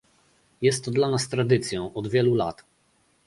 Jest to dla nas tradycją od wielu lat